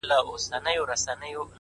• ستا د مخ له اب سره ياري کوي،